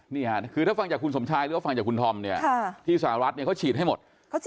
นี่ค่ะคือถ้าฟังจากคุณสมชายหรือว่าฟังจากคุณธอมเนี่ยที่สหรัฐเนี่ยเขาฉีดให้หมด